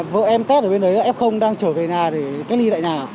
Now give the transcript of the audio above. vợ em tết ở bên đấy là f đang trở về nhà để cách ly tại nhà